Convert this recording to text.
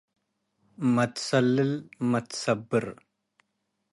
. መትሳልል መትሰብር፣